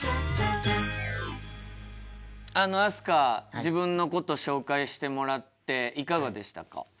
自分のこと紹介してもらっていかがでしたか？